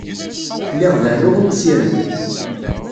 Lliɣ berruɣ i usirem.